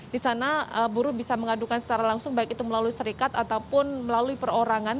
di sana buruh bisa mengadukan secara langsung baik itu melalui serikat ataupun melalui perorangan